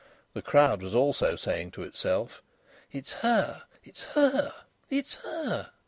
The crowd was also saying to itself: "It's her! It's her! It's her!"